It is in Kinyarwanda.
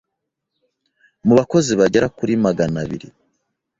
Mu bakozi bagera kuri maganabiri